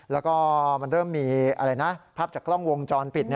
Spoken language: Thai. แล้วก็มันเริ่มมีอะไรนะภาพจากกล้องวงจรปิด